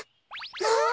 あっ！